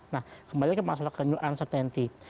nah kembali ke masalah kenyal uncertainty